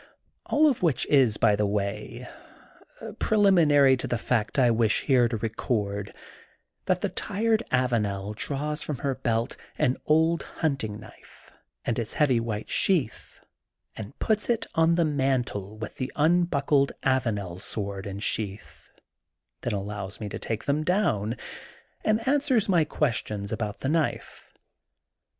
All of which is, by the way, preliminary to the fact I wish here to record, that the tired Avanel draws from her belt an old hunting knife and its heavy white sheath and puts it on the mantle with the unbuckled Avanel sword and sheath, then al lows me to take them down, and answers my questions about the knife.